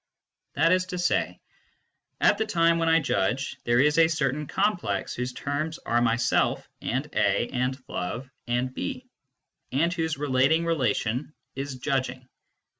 That is to say, at the time when I judge, there is a certain complex whose terms are myself and A and love ind B, and whose relating relation is judging.